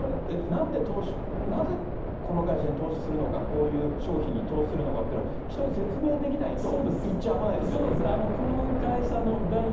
なんで、なぜこの会社に投資するのか、こういう商品に投資するのかっていうのは、人に説明できないと。